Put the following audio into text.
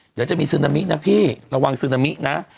เดี๋ยวจะมีซึนามินะพี่ระวังซึนามินะ